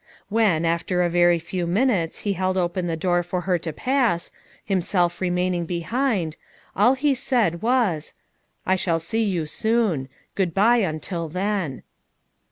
When, after a very few minutes he held open the door for her to pass, himself remaining behind, all he said was: "I shall see you soon, good bye until then."